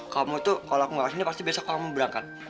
kamu tuh kalau aku gak kesini pasti besok kamu berangkat